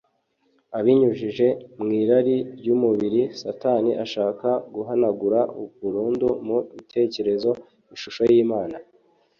. Abinyujije mw’irari ry’umubiri, Satani ashaka guhanagura burundu mu bitekerezo ishusho y’Imana.